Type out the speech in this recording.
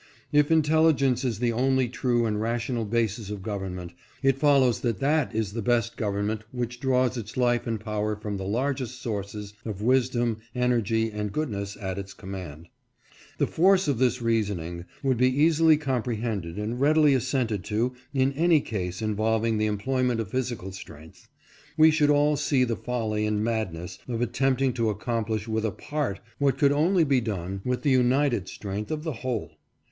If intelligence is the only true and rational basis of government, it follows that that is the best gov ernment which draws its life and power from the largest sources of wisdom, energy, and goodness at its command. The force of this reasoning would be easily comprehended and readily assented to in any case involving the employ ment of physical strength. We should all see the folly and madness of attempting to accomplish with a part what could only be done with the united strength of the whole.